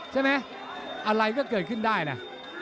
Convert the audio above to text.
ใช่ไหมอะไรก็เกิดขึ้นได้นะ